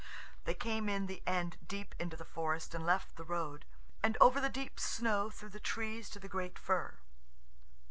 They came in the end deep into the forest, and left the road, and over the deep snow through the trees to the great fir.